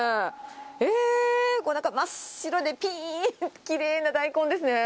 えーっ、真っ白でぴんと、きれいな大根ですね。